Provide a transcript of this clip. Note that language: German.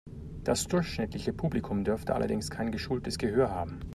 Das durchschnittliche Publikum dürfte allerdings kein geschultes Gehör haben.